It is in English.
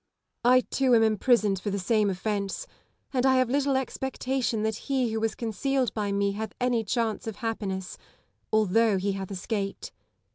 I, too, am imprisoned for the same ofience ; and I have little expectation that he who was con cealed by me hath any chance of happiness, although he hath escaped.